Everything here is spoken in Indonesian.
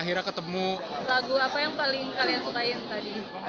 akhirnya ketemu lagu apa yang paling kalian sukain tadi